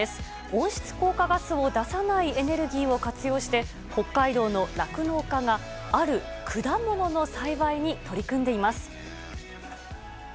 温室効果ガスを出さないエネルギーを活用して、北海道の酪農家が、ある果物の栽培に取り組んでいます。